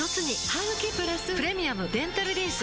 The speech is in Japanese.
ハグキプラス「プレミアムデンタルリンス」